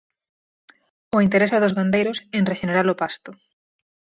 O interese dos gandeiros en rexenerar o pasto.